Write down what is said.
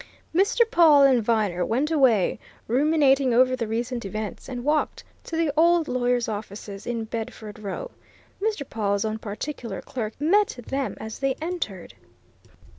Mr. Pawle and Viner went away, ruminating over the recent events, and walked to the old lawyer's offices in Bedford Row. Mr. Pawle's own particular clerk met them as they entered.